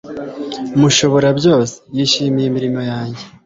mushobora byose yishimiye imirimo yanjye